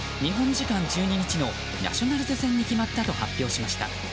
時間１２日のナショナルズ戦に決まったと発表しました。